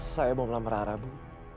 saya mau melamar haram ibu